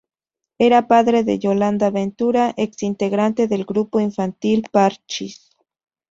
Era padre de Yolanda Ventura, ex integrante del grupo infantil Parchís.